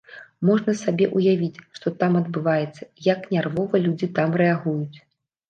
Можна сабе ўявіць, што там адбываецца, як нервова людзі там рэагуюць.